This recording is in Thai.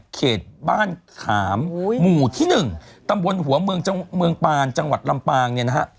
เขตบ้านขามหมู่ที่๑ตำบลหัวเมืองปานจังหวัดลำปางเนี่ยนะฮะ